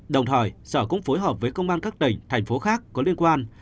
đồng thời sở cũng phối hợp với công an các tỉnh thành phố khác có liên quan